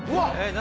何？